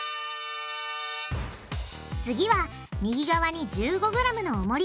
次は右側に１５ｇのおもり。